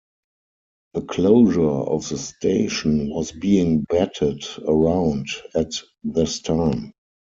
The closure of the station was being batted around at this time.